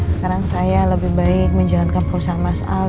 sekarang saya lebih baik menjalankan perusahaan mas al